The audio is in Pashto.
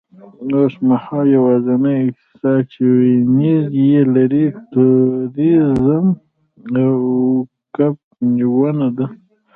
اوسمهال یوازینی اقتصاد چې وینز یې لري، تورېزم او کب نیونه ده